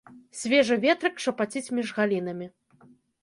Свежы ветрык шапаціць між галінамі.